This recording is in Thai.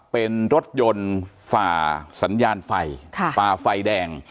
เป็นรถยนต์ฝ่าสัญญาณไฟฝ่าไฟแดง